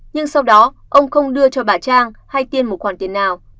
nhưng sau đó ông không đưa cho bà trang hay tiên một khoản tiền nào